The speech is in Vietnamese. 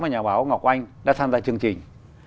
và nhà báo ngọc anh đã tham gia chương trình